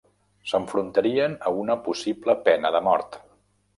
S'enfrontarien a una possible pena de mort.